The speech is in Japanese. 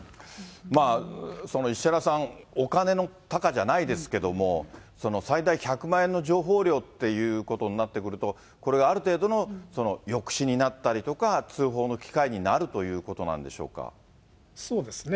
まあ、石原さん、お金の多寡じゃないですけど、最大１００万円の情報料っていうことになってくると、これがある程度の抑止になったりとか、通報の機会になるということなんでしそうですね。